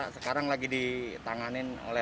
sekarang lagi di tangan